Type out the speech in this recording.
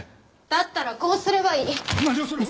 だったらこうすればいい！何をする！？